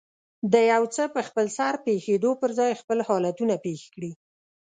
د يو څه په خپلسر پېښېدو پر ځای خپل حالتونه پېښ کړي.